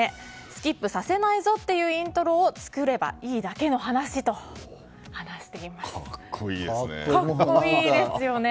スキップさせないぞというイントロを作ればいいだけの話と格好いいですね。